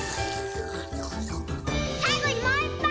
さいごにもういっぱい！